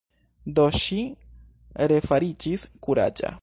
Do ŝi refariĝis kuraĝa.